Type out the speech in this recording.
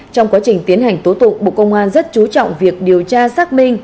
trong quá trình tiến hành tố tụng bộ công an rất chú trọng việc điều tra xác minh